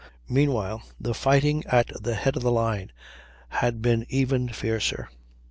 Meanwhile the fighting at the head of the line had been even fiercer.